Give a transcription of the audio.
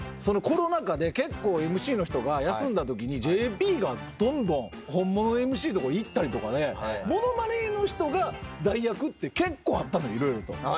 コロナ禍で結構ＭＣの人が休んだときにＪＰがどんどん本物のＭＣのとこ行ったりとかでものまねの人が代役って結構あったのよ色々と。